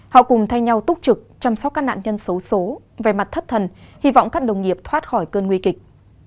họ cùng thay nhau túc trực chăm sóc các nạn nhân xấu xố về mặt thất thần hy vọng các đồng nghiệp thoát khỏi cơn nguy kịch